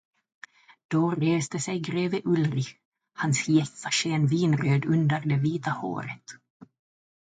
Då reste sig greve Ulrich, hans hjässa sken vinröd under det vita håret.